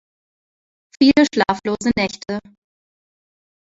Viele schlaflose Nächte.